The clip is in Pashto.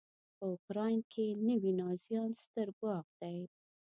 په اوکراین کې نوي نازیان ستر ګواښ دی.